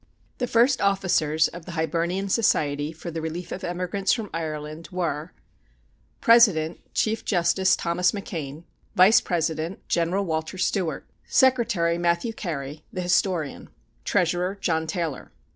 The first officers of the Hibernian Society for the Relief of Emigrants from Ireland were: President, Chief Justice Thomas McKean; Vice President, General Walter Stewart; Secretary, Matthew Carey, the historian; Treasurer, John Taylor.